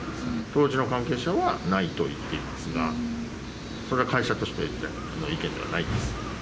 当時の関係者はないと言っていますが、それは会社としての意見ではないです。